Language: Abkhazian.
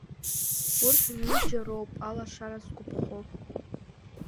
Урҭ рҩыџьа роуп алашара зқәыԥхо.